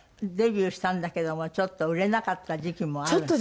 デビューしたんだけどもちょっと売れなかった時期もある？